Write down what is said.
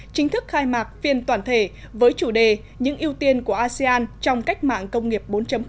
chính thức khai mạc phiên toàn thể với chủ đề những ưu tiên của asean trong cách mạng công nghiệp bốn